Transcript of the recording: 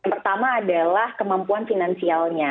pertama adalah kemampuan finansialnya